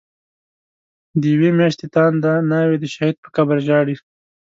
دیوی میاشتی تانده ناوی، د شهید په قبر ژاړی